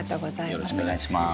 よろしくお願いします。